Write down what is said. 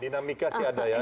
dinamika sih ada ya